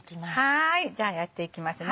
はいじゃあやっていきますね。